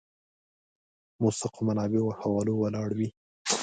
موثقو منابعو او حوالو ولاړ وي.